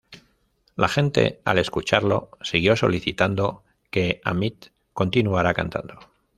La gente al escucharlo, siguió solicitando que Amit continuara cantando.